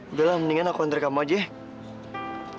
udah lah mendingan aku hantar kamu aja ya